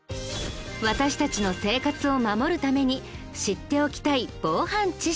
私たちの生活を守るために知っておきたい防犯知識。